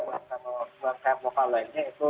kita dorong juga umkm lokal lainnya itu